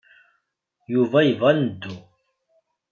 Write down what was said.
Yuba yebɣa ad neddu.